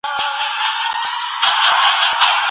بېرته خپل کلي ته ستانه شئ.